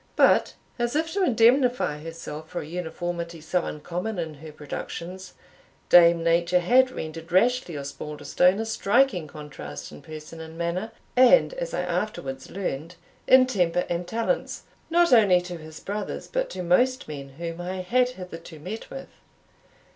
But, as if to indemnify herself for a uniformity so uncommon in her productions, Dame Nature had rendered Rashleigh Osbaldistone a striking contrast in person and manner, and, as I afterwards learned, in temper and talents, not only to his brothers, but to most men whom I had hitherto met with.